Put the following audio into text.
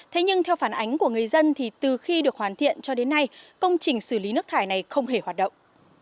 thế nhưng theo phản ánh của người dân thì từ khi được hoàn thiện cho đến nay công trình xử lý nước thải này không hề hoạt động